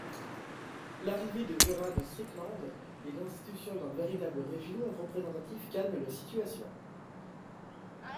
L'arrivée de Gerald Strickland et l'institution d'un véritable régime représentatif calment la situation.